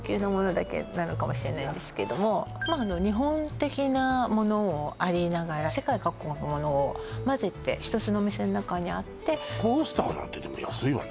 ご覧になってるのは日本的なものをありながら世界各国のものを混ぜて１つのお店の中にあってコースターなんてでも安いわね